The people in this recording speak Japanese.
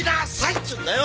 っちゅうんだよ！